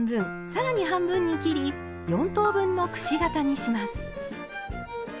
さらに半分に切り４等分のくし形にします。